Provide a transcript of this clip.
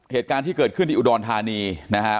เหตุการณ์ที่เกิดขึ้นที่อุดรธานีนะฮะ